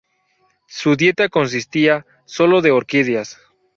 Su dieta consistía sólo de orquídeas.